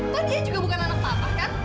kan dia juga bukan anak papa kan